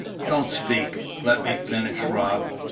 "Don't speak. Let me finish, Rob.